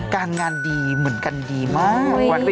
การงานดีเหมือนกันดีมาก